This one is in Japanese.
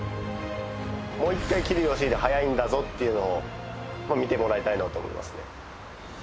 もう一回桐生祥秀速いんだぞっていうのを見てもらいたいなと思いますね